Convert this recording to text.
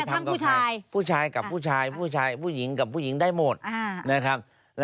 ทำกับชายผู้ชายกับผู้ชายผู้ชายผู้หญิงกับผู้หญิงได้หมดนะครับ